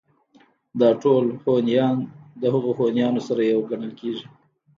دا ټول هونيان د هغو هونيانو سره يو گڼل کېږي